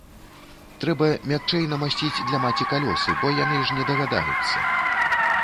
Трэба мякчэй намасціць для маці калёсы, бо яны ж не дагадаюцца.